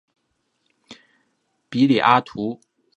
比里阿图。